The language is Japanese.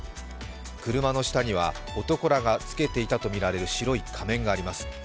車の下には男らがつけていたとみられる白い仮面があります。